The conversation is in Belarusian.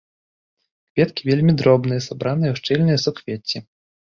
Кветкі вельмі дробныя, сабраныя ў шчыльныя суквецці.